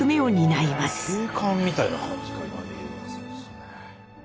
そうですよね。